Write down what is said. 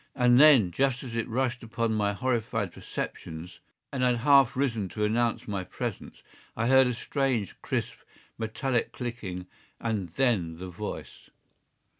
And then, just as it rushed upon my horrified perceptions, and I had half risen to announce my presence, I heard a strange, crisp, metallic clicking, and then the voice.